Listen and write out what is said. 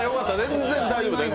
全然大丈夫。